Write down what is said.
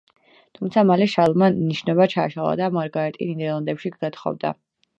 თუმცა მალე შარლმა ნიშნობა ჩაშალა და მარგარეტი ნიდერლანდებში გათხოვდა.